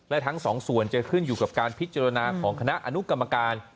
และทั้งสองส่วนจะขึ้นอยู่กับการพิจารณาของคณะอนุกรรมการ